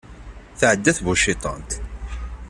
Tɛedda tbuciḍant.